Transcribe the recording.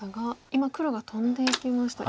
今黒がトンでいきました。